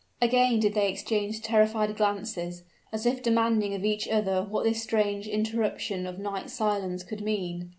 Again did they exchange terrified glances, as if demanding of each other what this strange interruption of night's silence could mean.